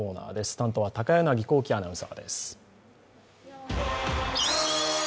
担当は高柳光希アナウンサーです。